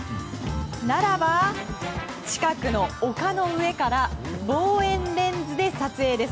ならば、近くの丘の上から望遠レンズで撮影です。